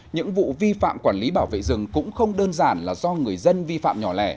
những vụ vi phạm quản lý bảo vệ rừng cũng không đơn giản là do người dân vi phạm nhỏ lẻ